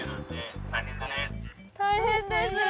大変です。